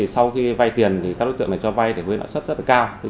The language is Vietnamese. sau khi vay tiền thì các đối tượng này cho vay với lãi suất rất cao